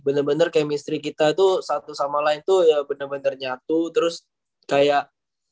bener bener kemistri kita tuh satu sama lain tuh ya bener bener nyatu terus kayak